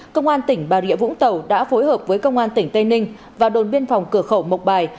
công an tỉnh bà rịa vũng tàu đã phối hợp với công an tỉnh tây ninh và đồn biên phòng cửa khẩu mộc bài